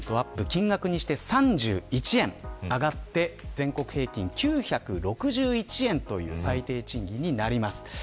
金額にして３１円上がって全国平均９６１円という最低賃金になります。